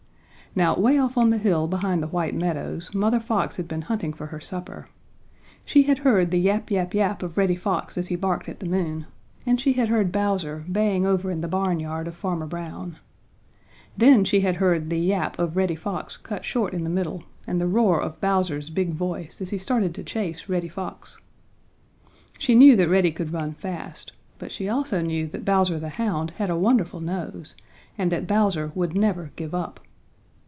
Now way off on the hill behind the White Meadows Mother Fox had been hunting for her supper. She had heard the "Yap yap yap" of Reddy Fox as he barked at the moon, and she had heard Bowser baying over in the barnyard of Farmer Brown. Then she had heard the "yap" of Reddy Fox cut short in the middle and the roar of Bowser's big voice as he started to chase Reddy Fox. She knew that Reddy could run fast, but she also knew that Bowser the Hound had a wonderful nose, and that Bowser would never give up.